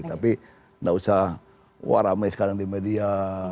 tapi tidak usah ramai sekarang di media